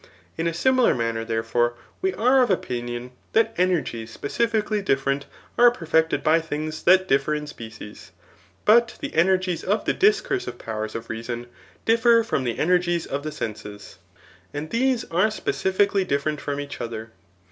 In a similar manner, therefore, we are of opinion, that energies specifically different, are perfected by things that differ in species. But the energies of the discursive^ powers of reason, differ from the energies of the senses^ Digitized by Google 8M THE NI0OXACH£AK B(mK X* snd these are speQfically differrat from each other.